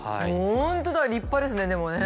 本当だ立派ですねでもね。